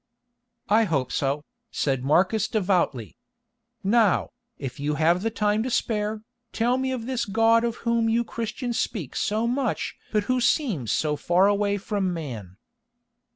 "I hope so," said Marcus devoutly. "Now, if you have the time to spare, tell me of this God of whom you Christians speak so much but who seems so far away from man."